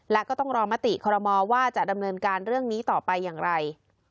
และก็ต้องรอมติคอรมอว่าจะดำเนินการเรื่องนี้ต่อไปอย่างไร